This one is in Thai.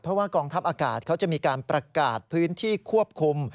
เพราะว่ากองทัพอากาศเขาจะมีการประกาศพื้นที่ควบคุม